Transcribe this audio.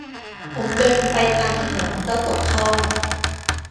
ผมเดินไปตามถนน แล้วตกท่อ